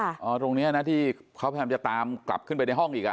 อ๋อตรงนี้นะที่เขาแพมจะตามกลับขึ้นไปในห้องอีก